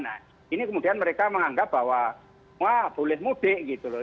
nah ini kemudian mereka menganggap bahwa boleh mudik gitu loh